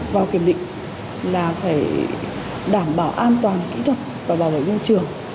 vào kiểm định là phải đảm bảo an toàn kỹ thuật và bảo vệ môi trường